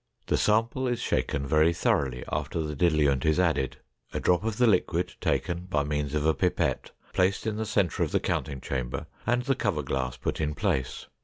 The sample is shaken very thoroughly after the diluent is added, a drop of the liquid taken by means of a pipette, placed in the center of the counting chamber, and the cover glass put in place.